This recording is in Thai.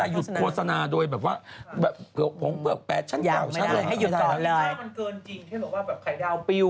ยังไม่ได้ให้หยุดตอนเลย